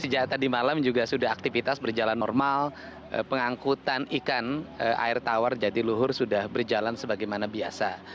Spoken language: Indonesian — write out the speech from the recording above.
sejak tadi malam juga sudah aktivitas berjalan normal pengangkutan ikan air tawar jatiluhur sudah berjalan sebagaimana biasa